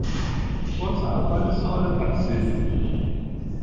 ثلث اول سال تحصیلی